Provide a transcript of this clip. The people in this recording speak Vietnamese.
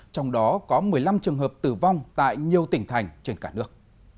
trong đó có một mươi năm trường hợp tử vong tại nhiều tỉnh thành trên cả nước